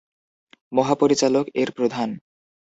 মহাপরিচালক এর প্রধান।